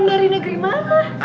panggiran dari negeri mana